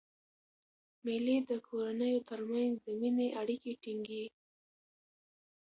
مېلې د کورنیو تر منځ د میني اړیکي ټینګي.